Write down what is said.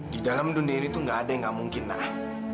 di dalam dunia ini tuh gak ada yang gak mungkin nak